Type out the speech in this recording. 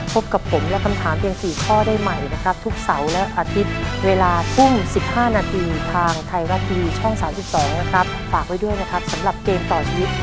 พบกับผมและคำถามเพียง๔ข้อได้ใหม่นะครับทุกเสาร์และอาทิตย์เวลาทุ่ม๑๕นาทีทางไทยรัฐทีวีช่อง๓๒นะครับฝากไว้ด้วยนะครับสำหรับเกมต่อชีวิต